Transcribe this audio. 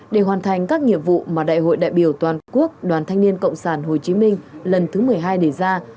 để hoàn thành các nhiệm vụ mà đại hội đại biểu toàn quốc đoàn thanh niên cộng sản hồ chí minh lần thứ một mươi hai đề ra